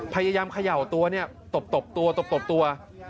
พยายามเขย่าตัวนี่ตบตัวตัว